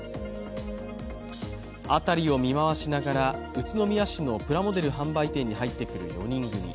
辺りを見回しながら宇都宮市のプラモデル販売店に入ってくる４人組。